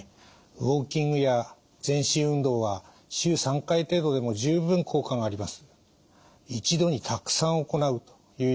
ウォーキングや全身運動は週３回程度でも十分効果があります。